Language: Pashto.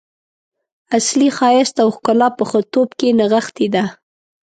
اصلي ښایست او ښکلا په ښه توب کې نغښتې ده.